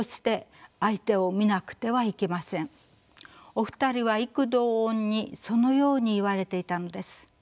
お二人は異口同音にそのように言われていたのです。